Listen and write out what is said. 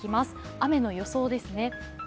雨の予想です。